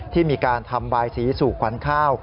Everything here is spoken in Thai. ที่มีการทำบายสีสู่ขวัญข้าว